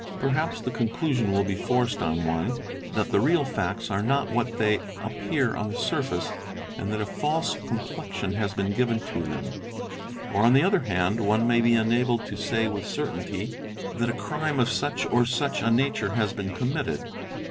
Perhaps the conclusion will be forced on one that the real facts are not what they "appear on the surface and that a false complexion has been given to them ; or on the other hand one may be enabled to say with certainty 6 THE INVESTIGATING OFFICER that a crime of such or such a nature has been committed.